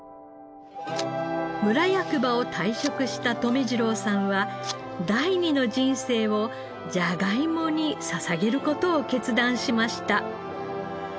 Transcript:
村役場を退職した留次郎さんは第二の人生をじゃがいもに捧げる事を決断しました。